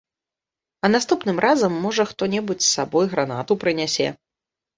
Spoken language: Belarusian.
А наступным разам, можа, хто-небудзь з сабой гранату прынясе.